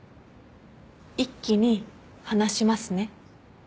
一気に話しますね。